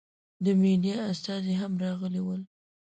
د مېډیا استازي هم راغلي ول.